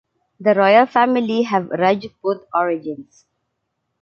The royal family have Rajput origins.